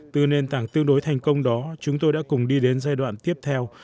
từ nền tảng tương đối thành công đó chúng tôi đã cùng đi đến giai đoạn tiếp theo